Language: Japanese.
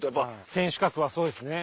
天守閣はそうですね。